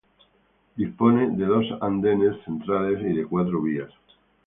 Dispone de dos andenes centrales y de cuatro vías.